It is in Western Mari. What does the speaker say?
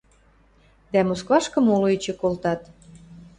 дӓ Москвашкы моло эче колтат.